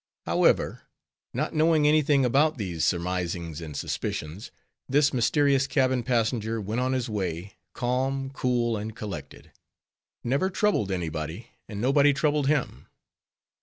However, not knowing any thing about these surmisings and suspicions, this mysterious cabin passenger went on his way, calm, cool, and collected; never troubled any body, and nobody troubled him.